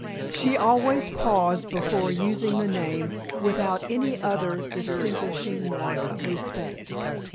She always paused before using the name without any other distinguishing mark of respect.